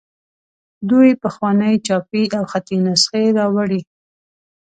دوی پخوانۍ چاپي او خطي نسخې راوړي.